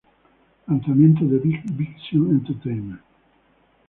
Lanzamientos de Big Vision Entertainment